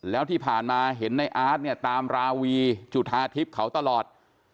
แล้วที่ผ่านมาเห็นในอาร์ตเนี่ยตามราวีจุธาทิพย์เขาตลอด